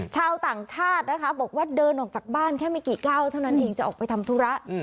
ชาวต่างชาตินะคะบอกว่าเดินออกจากบ้านแค่ไม่กี่ก้าวเท่านั้นเองจะออกไปทำธุระ